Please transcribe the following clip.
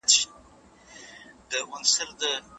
که ښاروالي کثافات پر وخت ټول کړي، نو ناروغۍ نه خپریږي.